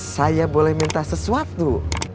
saya boleh minta sesuatu